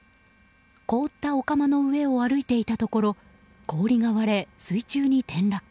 凍ったお釜の上を歩いていたところ氷が割れ、水中に転落。